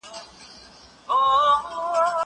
ليکنه د زده کوونکي له خوا کيږي!؟